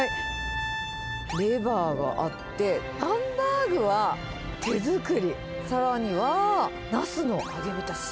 レバーがあって、ハンバーグは手作り、さらには、ナスの揚げ浸し。